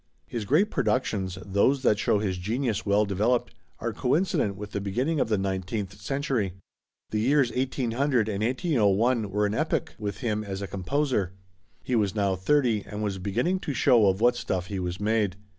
His great productions, those that show his genius well developed, are coincident with the beginning of the nineteenth century. The years 1800 and 1801 were an epoch with him as a composer. He was now thirty, and was beginning to show of what stuff he was made.